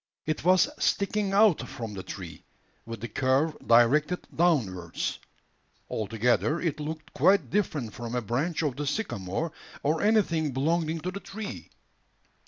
It was sticking out from the tree, with the curve directed downwards. Altogether, it looked quite different from a branch of the sycamore, or anything belonging to the tree.